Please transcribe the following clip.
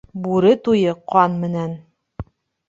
Бүре туйы ҡан менән.